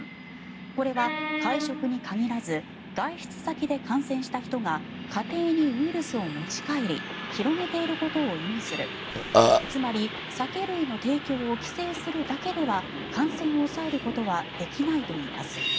これは会食に限らず外出先で感染した人が家庭にウイルスを持ち帰り広げていることを意味するつまり、酒類の提供を規制するだけでは感染を抑えることはできないといいます。